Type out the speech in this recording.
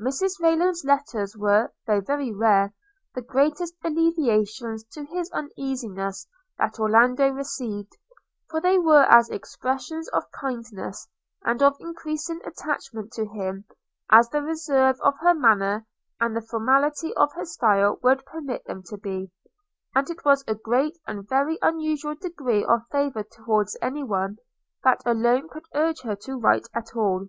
Mrs Rayland's letters were, though very rare, the greatest alleviations to his uneasiness that Orlando received; for they were as expressive of kindness, and of increasing attachment to him, as the reserve of her manner, and the formality of her style, would permit them to be; and it was a great and very unusual degree of favour towards any one, that alone could urge her to write at all.